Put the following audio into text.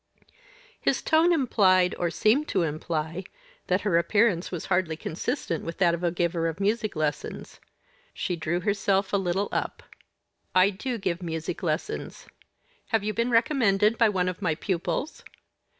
His tone implied or seemed to imply that her appearance was hardly consistent with that of a giver of music lessons. She drew herself a little up. "I do give music lessons. Have you been recommended by one of my pupils?"